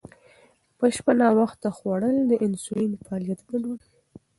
په شپه ناوخته خوړل د انسولین فعالیت ګډوډوي.